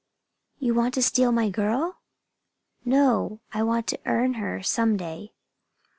"You want to steal my girl!" "No! I want to earn her some day."